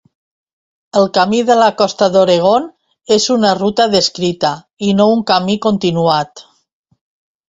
El Camí de la Costa d'Oregon és una ruta descrita i no un camí continuat.